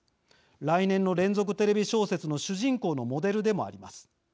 来年の連続テレビ小説の主人公のモデルでもあります。